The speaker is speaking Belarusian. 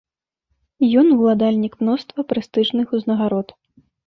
Ён ўладальнік мноства прэстыжных узнагарод.